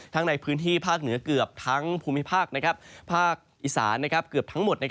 ในพื้นที่ภาคเหนือเกือบทั้งภูมิภาคภาคอีสานเกือบทั้งหมด